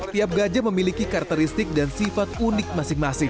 tiap gajah memiliki karakteristik dan sifat unik masing masing